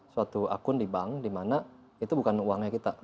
suatu akun di bank di mana itu bukan uangnya kita